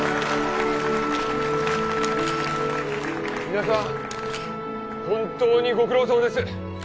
皆さん本当にご苦労さまです